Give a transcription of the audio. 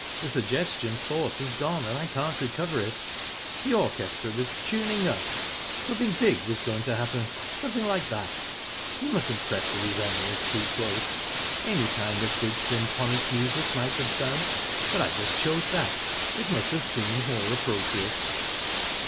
The suggestion thought has gone, and I can't recover it... The orchestra was tuning up. Something big was going to happen. Something like that. You mustn't press the resemblance too close. Any kind of big symphonic music might have done, but I just chose that it must have seemed more appropriate."